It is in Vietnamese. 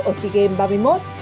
ở sea games ba mươi một